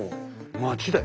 町だよね